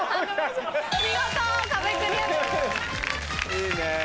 いいね。